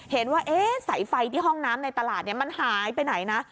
เห็นว่าสายไฟที่ห้องน้ำในตลาดมันหายไปไหนนะ